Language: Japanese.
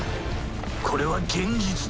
これは現実だ。